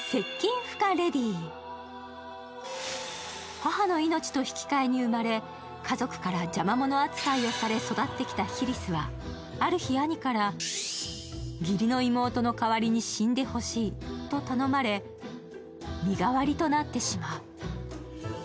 母の命と引き換えに生まれ、家族から邪魔者扱いをされ育ってきたヒリスはある日兄から義理の妹の代わりの死んでほしいと頼まれ、身代わりとなってしまう。